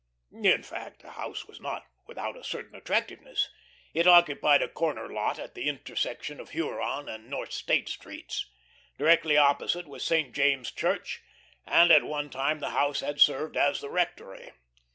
In fact, the house was not without a certain attractiveness. It occupied a corner lot at the intersection of Huron and North State streets. Directly opposite was St. James' Church, and at one time the house had served as the rectory.